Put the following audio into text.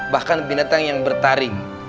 bahkan binatang yang bertaring